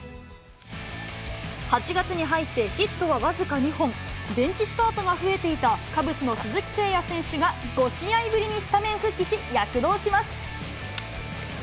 ８月に入ってヒットは僅か２本、ベンチスタートが増えていたカブスの鈴木誠也選手が５試合ぶりにスタメン復帰し、躍動します。